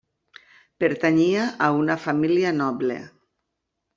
Pertanyia a una família noble.